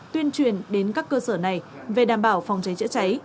tuyên truyền đến các cơ sở này về đảm bảo phòng cháy chữa cháy